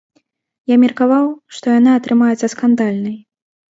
Я меркаваў, што яна атрымаецца скандальнай.